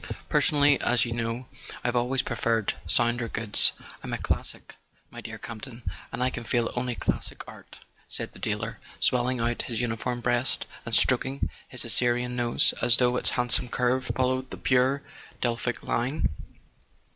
Personally, as you know, I've always preferred sounder goods: I'm a classic, my dear Campton, and I can feel only classic art," said the dealer, swelling out his uniformed breast and stroking his Assyrian nose as though its handsome curve followed the pure Delphic line.